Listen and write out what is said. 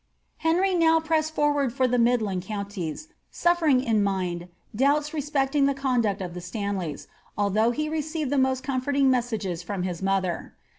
Henr}' now pressed forward for the midland counties, sufl^ering in mind doubts respecting the conduct of the Stanleys, although he received the most comforting messages from his mother.